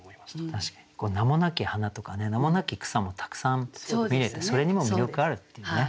確かに名もなき花とかね名もなき草もたくさん見れてそれにも魅力あるっていうね。